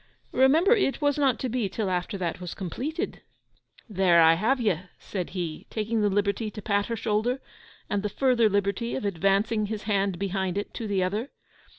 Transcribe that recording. Remember it was not to be till after that was completed.' 'There I have you!' said he, taking the liberty to pat her shoulder, and the further liberty of advancing his hand behind it to the other.